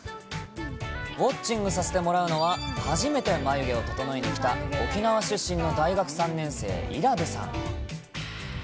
ウォッチングさせてもらうのは、初めて眉毛を整えに来た、沖縄出身の大学３年生、伊良部さん。